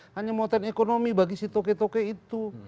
hanya motret ekonomi bagi si toke toke itu